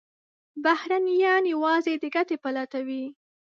بهرنیان یوازې د ګټې په لټه وي.